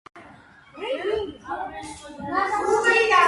ამოფრქვევების დროს ეს ნარგავები და დასახლებული პუნქტები ზიანდება.